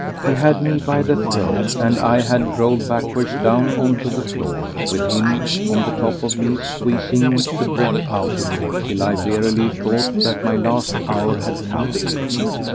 He had me by the throat, and I had rolled backwards down on to the floor, with him on the top of me, squeezing the breath out of me till I verily thought that my last hour had come.